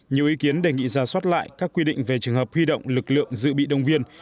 nhiều ý kiến đề nghị ra soát lại các quy định về trường hợp huy động lực lượng dự bị đồng viên